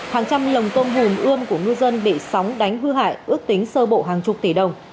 hàng trăm lồng tôm hùm ươm của ngư dân bị sóng đánh hư hại ước tính sơ bộ hàng chục tỷ đồng